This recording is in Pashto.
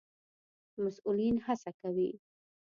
مسئولين هڅه کوي